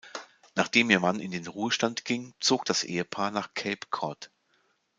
Nachdem ihr Mann in den Ruhestand ging, zog das Ehepaar nach Cape Cod.